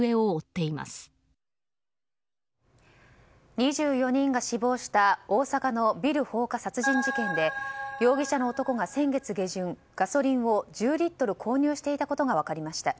２４人が死亡した大阪のビル放火殺人事件で容疑者の男が先月下旬ガソリンを１０リットル購入していたことが分かりました。